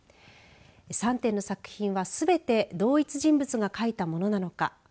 ３点の作品は、すべて同一人物が描いたものなのか。